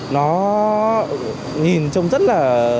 nó nhìn trông rất là